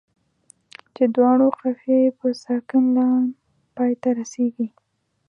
چې دواړو قافیه یې په ساکن لام پای ته رسيږي.